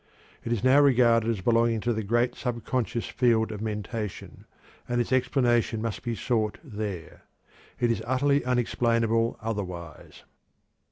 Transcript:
It is now regarded as belonging to the great subconscious field of mentation, and its explanation must be sought there. It is utterly unexplainable otherwise.